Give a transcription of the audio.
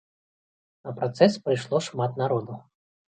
На працэс прыйшло шмат народу.